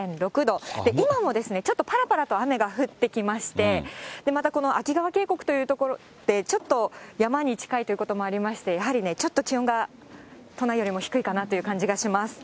今もちょっとぱらぱらと雨が降ってきまして、またこのあき川渓谷という所って、山に近いということもありまして、やはりちょっと気温が都内よりも低いかなという感じがします。